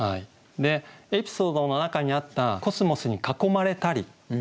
エピソードの中にあった「コスモスに囲まれたり」。